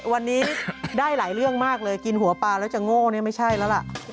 วันนี้ได้หลายเรื่องมากเลยกินหัวปลาแล้วจะโง่เนี่ยไม่ใช่แล้วล่ะ